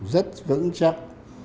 rất vững chắc